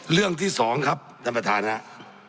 เรื่องที่สองครับท่านประธานครับ